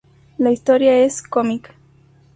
La historia es cómica.